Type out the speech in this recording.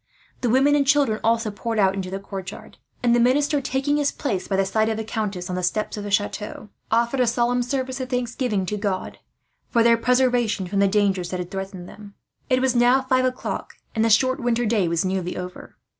The women and children also poured out into the courtyard and, the minister taking his place by the side of the countess on the steps of the chateau, a solemn service of thanksgiving to God, for their preservation from the danger that had threatened them, was held. It was now five o'clock, and the short winter day was nearly over.